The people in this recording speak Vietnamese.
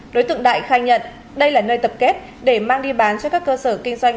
đối tượng đại khai nhận đây là nơi tập kết để mang đi bán cho các cơ sở kinh doanh